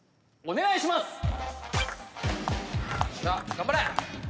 頑張れ！